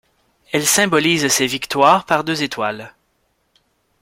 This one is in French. Elle symbolise ces victoires par deux étoiles.